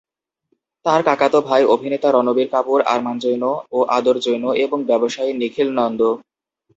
তার কাকাতো ভাই অভিনেতা রণবীর কাপুর, আরমান জৈন ও আদর জৈন এবং ব্যবসায়ী নিখিল নন্দ।